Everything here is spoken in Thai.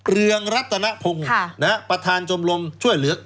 เรืองรัตนพงศ์ประธานชมรมช่วยเหลือ